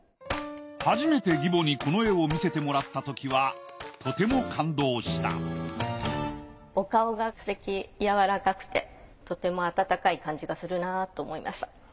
初めて義母にこの絵を見せてもらったときはとても感動したやわらかくてとても温かい感じがするなと思いました。